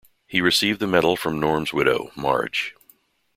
He received the medal from Norm's widow, Marj.